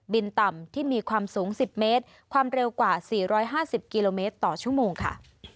ต่ำที่มีความสูง๑๐เมตรความเร็วกว่า๔๕๐กิโลเมตรต่อชั่วโมงค่ะ